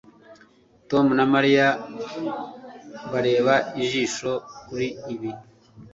tom na mariya bareba ijisho kuri ibi